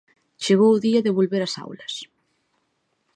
Chegou o día de volver ás aulas...